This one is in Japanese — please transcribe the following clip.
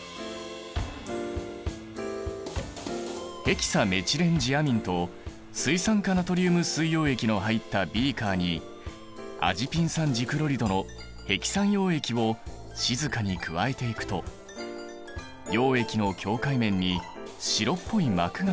ヘキサメチレンジアミンと水酸化ナトリウム水溶液の入ったビーカーにアジピン酸ジクロリドのヘキサン溶液を静かに加えていくと溶液の境界面に白っぽい膜ができる。